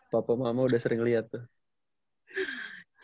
papa mama udah sering lihat tuh